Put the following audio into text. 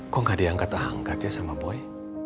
kok gak ada yang angkat angkat ya sama boy